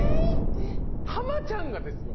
⁉ハマちゃんがですよ